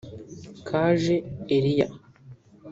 Kaje Elia